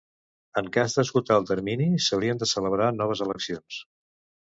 En cas d'esgotar el termini, s'haurien de celebrar noves eleccions.